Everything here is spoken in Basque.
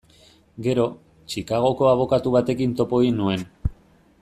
Gero, Chicagoko abokatu batekin topo egin nuen.